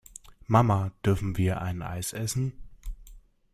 Mama, dürfen wir ein Eis essen?